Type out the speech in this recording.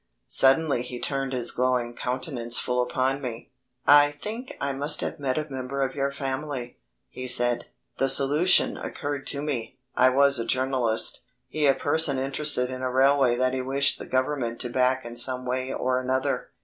Suddenly he turned his glowing countenance full upon me. "I think I must have met a member of your family," he said. The solution occurred to me. I was a journalist, he a person interested in a railway that he wished the Government to back in some way or another.